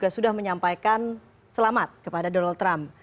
sudah menyampaikan selamat kepada donald trump